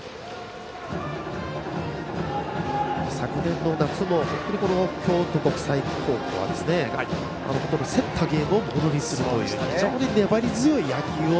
昨年の夏も京都国際高校は競ったゲームをものにするという粘り強い野球を